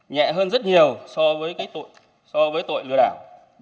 nhẹ hơn rất nhiều so với tội lừa đảo